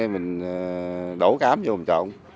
mình đổ cám vô mình trộn